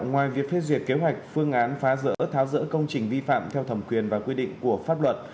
ngoài việc phê duyệt kế hoạch phương án phá rỡ tháo rỡ công trình vi phạm theo thẩm quyền và quy định của pháp luật